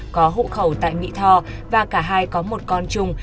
có hộ khẩu tại mỹ tho và cả hai có một con chung